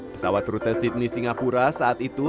pesawat rute sydney singapura saat itu